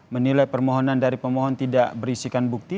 menilai permohonan dari pemohon tidak berisikan bukti